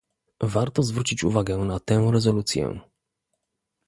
Warto zwrócić uwagę na tę rezolucję